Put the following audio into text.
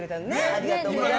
ありがとうございます。